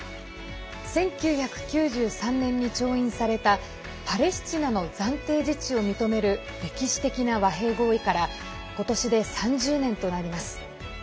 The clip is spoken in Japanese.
１９９３年に調印されたパレスチナの暫定自治を認める歴史的な和平合意から今年で３０年となります。